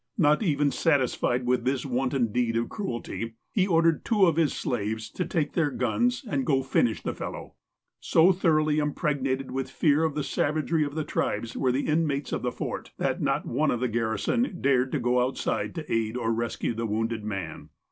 Not even satisfied with this wanton deed of cruelty, he ordered two of his slaves to take their guns and go and finish the fellow. So thoroughly impregnated with fear of the savagery of the tribes were the inmates of the Fort, that not one of the garrison dared go outside to aid or rescue the wounded man.